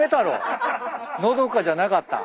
のどかじゃなかった。